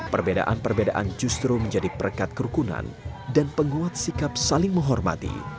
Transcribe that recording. perbedaan perbedaan justru menjadi perekat kerukunan dan penguat sikap saling menghormati